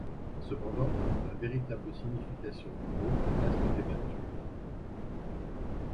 Cependant, la véritable signification du mot reste débattue.